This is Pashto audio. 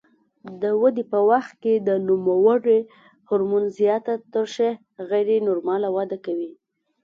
د ودې په وخت کې د نوموړي هورمون زیاته ترشح غیر نورماله وده کوي.